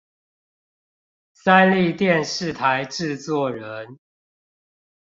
三立電視台製作人